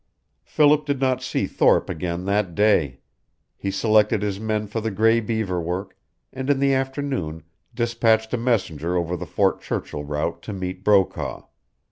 Philip did not see Thorpe again that day. He selected his men for the Gray Beaver work, and in the afternoon despatched a messenger over the Fort Churchill route to meet Brokaw.